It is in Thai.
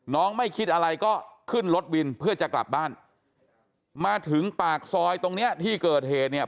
ไม่คิดอะไรก็ขึ้นรถวินเพื่อจะกลับบ้านมาถึงปากซอยตรงเนี้ยที่เกิดเหตุเนี่ย